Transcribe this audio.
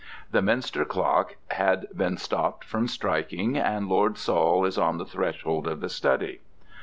The minster clock has been stopped from striking, and Lord Saul is on the threshold of the study.